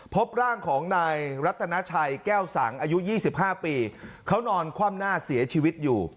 พบร่างของนายรัตนาชัยแก้วสังอายุ๒๕ปีเขานอนคว่ำหน้าเสียชีวิตอยู่